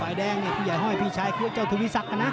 บ่ายแดงเนี่ยผู้ใหญ่ห้อยพี่ชายคือเจ้าทุวิศักดิ์กันนะ